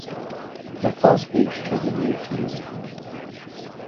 The full speech can be read here.